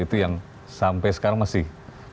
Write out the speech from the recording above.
itu yang sampai sekarang masih